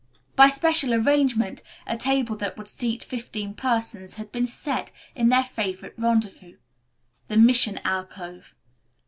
By special arrangement a table that would seat fifteen persons had been set in their favorite rendezvous, the mission alcove.